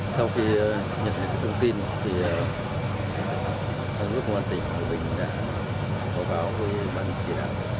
sau khi nhận được thông tin công an tỉnh bùi văn thọn